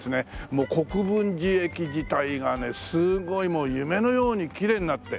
もう国分寺駅自体がねすごいもう夢のようにきれいになって。